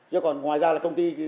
chứ còn ngoài ra là công ty